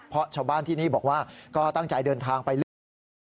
เพราะชาวบ้านที่นี่บอกว่าก็ตั้งใจเดินทางไปเลือกตั้ง